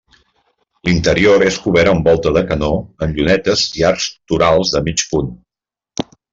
L'interior és cobert amb volta de canó amb llunetes i arcs torals de mig punt.